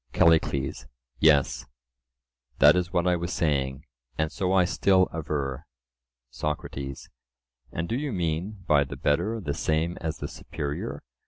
CALLICLES: Yes; that is what I was saying, and so I still aver. SOCRATES: And do you mean by the better the same as the superior?